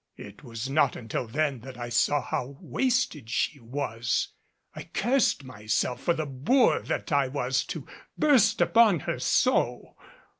It was not until then that I saw how wasted she was. I cursed myself for the boor that I was to burst upon her so.